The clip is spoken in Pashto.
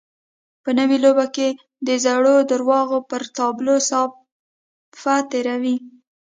په نوې لوبه کې د زړو درواغو پر تابلو صافه تېروي.